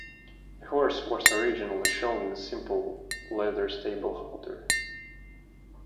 The horse was originally shown in a simple leather stable halter.